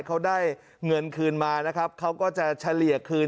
เขาได้เงินคืนมานะครับเขาก็จะเฉลี่ยคืน